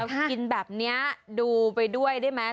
คุณกินแบบนี้ดูไปด้วยได้ไหม